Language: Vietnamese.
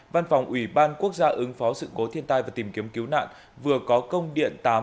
văn phòng ủy ban quốc gia ứng phó sự cố thiên tai và tìm kiếm cứu nạn vừa có công điện tám